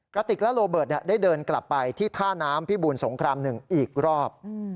กระติกและโรเบิร์ตได้เดินกลับไปที่ท่าน้ำพิบูลสงคราม๑อีกรอบ